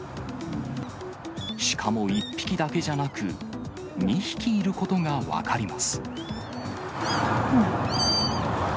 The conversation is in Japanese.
しかも１匹だけじゃなく、２匹いることが分かります。